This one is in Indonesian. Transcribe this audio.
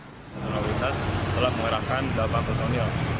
kontinualitas telah mengarahkan balapan personil